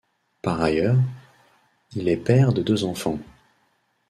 Par ailleurs, il est père de deux enfants.